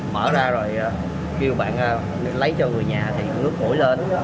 mở ra rồi kêu bạn lấy cho người nhà thì nước mũi lên